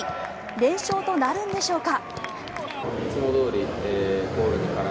連勝となるんでしょうか。